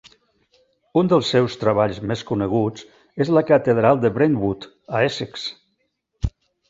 Un dels seus treballs més coneguts és la Catedral de Brentwood a Essex.